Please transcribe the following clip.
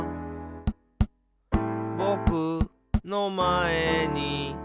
「ぼくのまえに」